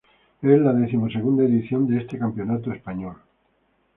Es la decimosegunda edición de este campeonato español.